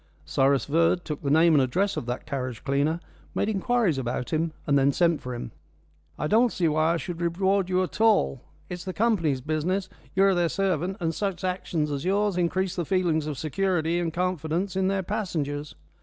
Cyrus Verd took the name and address of that carriage cleaner, made inquiries about him and then sent for him. "I don't see why I should reward you at all. It's the company's business. You're their servant, and such actions as yours increase the feelings of security and confidence in their passengers.